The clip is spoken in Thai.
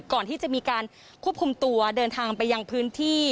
ก่อนที่จะมีการควบคุมตัวเดินทางไปยังพื้นที่